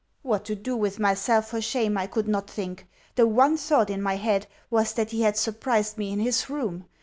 What to do with myself for shame I could not think. The one thought in my head was that he had surprised me in his room.